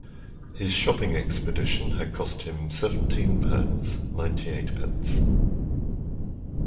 His shopping expedition had cost him seventeen pounds, ninety-eight pence